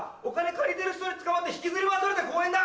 借りてる人に捕まって引きずり回された公園だ！